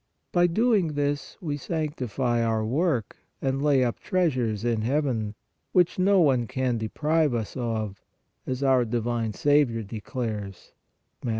By doing this we sanctify our work and " lay up treasures in heaven " which no one can de prive us of, as our divine Saviour declares (Mat.